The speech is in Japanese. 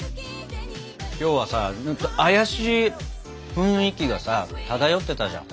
今日はさ怪しい雰囲気がさ漂ってたじゃん。